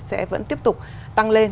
sẽ vẫn tiếp tục tăng lên